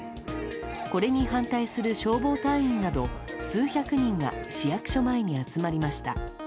これに反対する消防隊員など数百人が市役所前に集まりました。